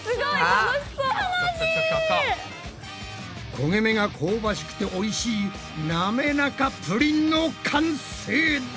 こげ目が香ばしくておいしいなめらかプリンの完成だ！